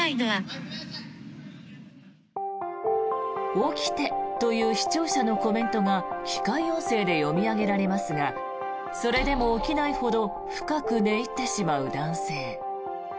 起きてという視聴者のコメントが機械音声で読み上げられますがそれでも起きないほど深く寝入ってしまう男性。